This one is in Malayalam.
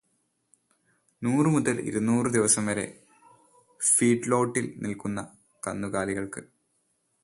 നൂറ് മുതൽ ഇരുന്നൂറ് ദിവസം വരെ ഫീഡ്ലോട്ടിൽ നിൽക്കുന്ന കന്നുകാലികൾക്ക്